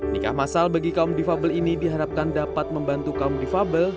nikah masal bagi kaum di fabel ini diharapkan dapat membantu kaum di fabel